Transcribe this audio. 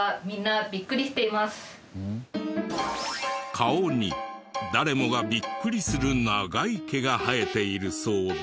顔に誰もがビックリする長い毛が生えているそうで。